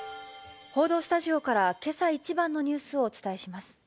報道スタジオからけさ一番のニュースをお伝えします。